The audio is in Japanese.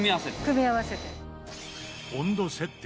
組み合わせて。